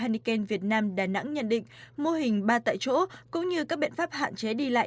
hineken việt nam đà nẵng nhận định mô hình ba tại chỗ cũng như các biện pháp hạn chế đi lại